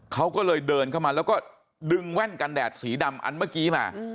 เขาก็เลยเดินเข้ามาแล้วก็ดึงแว่นกันแดดสีดำอันเมื่อกี้มา